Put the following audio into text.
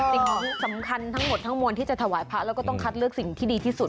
สิ่งสำคัญทั้งหมดทั้งมวลที่จะถวายพระแล้วก็ต้องคัดเลือกสิ่งที่ดีที่สุด